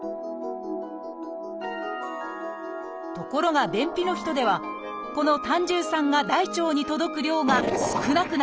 ところが便秘の人ではこの胆汁酸が大腸に届く量が少なくなっています。